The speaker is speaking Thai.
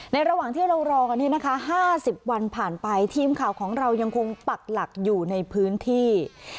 ระหว่างที่เรารอกัน๕๐วันผ่านไปทีมข่าวของเรายังคงปักหลักอยู่ในพื้นที่